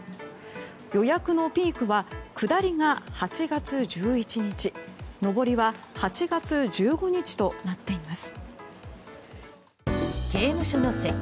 予約のピークは下りが８月１１日上りは８月１５日となっています。